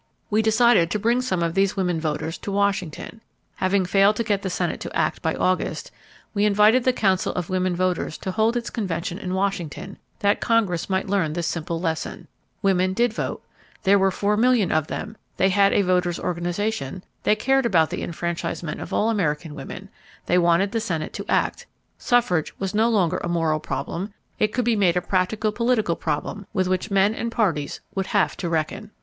We decided to bring some of these women voters to Washington: Having failed to get the Senate to act by August, we invited the Council of Women Voters to hold its convention in Washington that Congress might learn this simple lesson: women did vote; there were four million of them; they had a voters' organization; they cared about the enfranchisement of all American women; they wanted the Senate to act; suffrage was no longer a moral problem; it could be made a practical political problem with which men and parties would have to reckon.